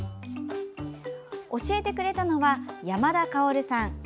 教えてくれたのは山田かおるさん。